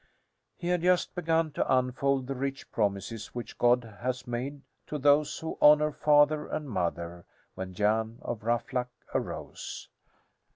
He had just begun to unfold the rich promises which God has made to those who honour father and mother, when Jan of Ruffluck arose.